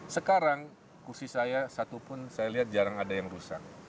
sekarang kursi saya satu pun saya lihat jarang ada yang rusak